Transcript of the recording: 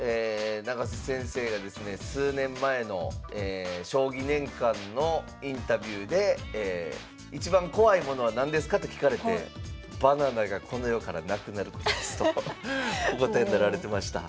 永瀬先生がですね数年前の「将棋年鑑」のインタビューで「一番怖いものは何ですか？」と聞かれて「バナナがこの世からなくなることです」とお答えになられてました。